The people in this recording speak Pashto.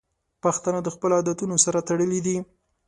پښتانه د خپلو عادتونو سره تړلي دي.